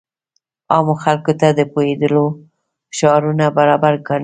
عامو خلکو ته د پوهېدو وړ شعارونه برابر کاندي.